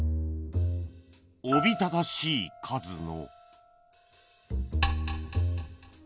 おびただしい数の